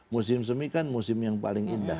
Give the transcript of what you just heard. musim semi kan musim yang paling indah